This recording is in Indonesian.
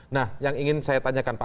nah yang ingin saya tanyakan pak